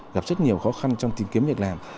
gặp rất nhiều khó khăn trong tìm kiếm việc làm